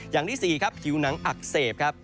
อย่างที่สี่ผิวหนังอักเสบ